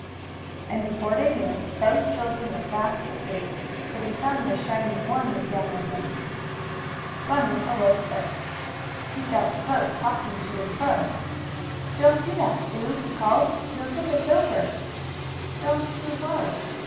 And, before they knew it, both children were fast asleep, for the sun was shining warmly down on them. Bunny awoke first. He felt the boat tossing to and fro: "Don't do that, Sue!" he called. "You'll tip us over." "Don't do what?"